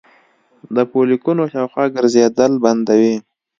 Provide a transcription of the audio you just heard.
د فولیکونو شاوخوا ګرځیدل بندوي